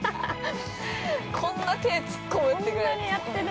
◆こんな手突っ込む？ってぐらい突っ込んでる。